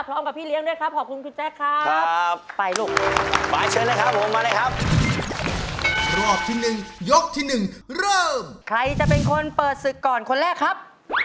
พร้อมกับพี่เลี้ยงด้วยครับขอบคุณคุณแจ๊กครับ